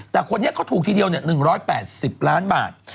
แต่คนนี้เขาถูกทีเดียว๑๘๐ล้านบาท